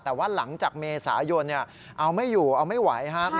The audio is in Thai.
แต่ว่าหลังจากเมษายนเอาไม่อยู่เอาไม่ไหวครับ